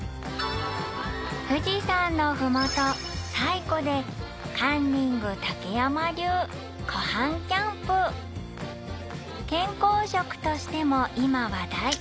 富士山のふもと西湖でンニング竹山流湖畔キャンプ健康食としても今話題。